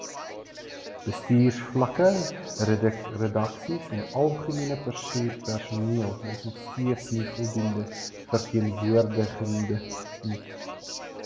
Bestuursvlakke, redaksies en algemene personeel is nog steeds nie voldoende verteenwoordigend nie.